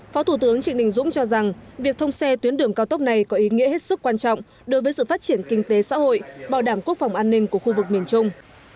phó thủ tướng trịnh đình dũng cho rằng việc thông xe tuyến đường cao tốc này có ý nghĩa hết sức quan trọng đối với sự phát triển kinh tế xã hội bảo đảm quốc phòng an ninh của khu vực miền trung